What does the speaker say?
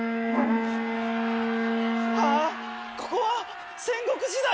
ここは戦国時代！？